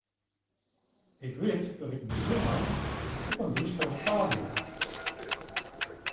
Ik wit dat ik my hjirmei op in glysterich paad bejou.